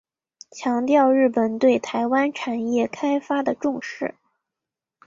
强调日本对台湾产业开发的重视。